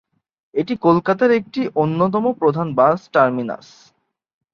এটি কলকাতার একটি অন্যতম প্রধান বাস টার্মিনাস।